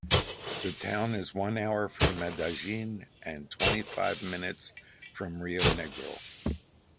The town is one hour from Medellin, and twenty five minutes from Rionegro.